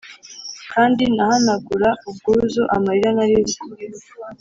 kandi nahanagura ubwuzu amarira narize.